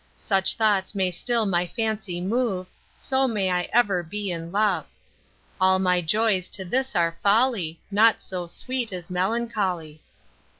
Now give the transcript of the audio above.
Such thoughts may still my fancy move, So may I ever be in love. All my joys to this are folly, Naught so sweet as melancholy.